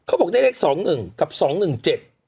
เขาบอกได้เลขสองหนึ่งกับสองหนึ่งเจ็ด